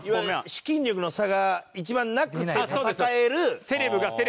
資金力の差が一番なくて戦える。